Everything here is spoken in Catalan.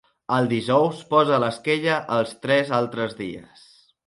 El dijous posa l'esquella als tres altres dies.